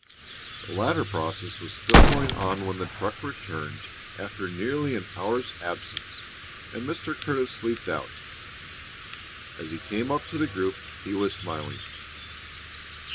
The latter process was still going on when the truck returned, after nearly an hour's absence, and Mr. Curtis leaped out. As he came up to the group he was smiling.